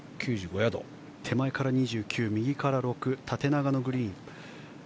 手前から２９、右から６縦長のグリーン。